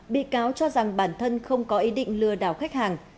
bị cáo cho rằng bản thân không có ý định lừa đảo khách hàng